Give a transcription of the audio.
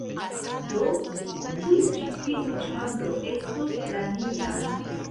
Do, ĉu ĉi tiu ĉambro estos la nia?